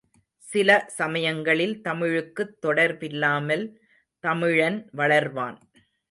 சில சமயங்களில் தமிழுக்குத் தொடர்பில்லாமல் தமிழன் வளர்வான்.